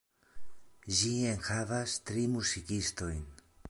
Ĝi enhavas tri muzikistojn.